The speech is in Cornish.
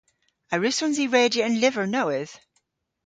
A wrussons i redya an lyver nowydh?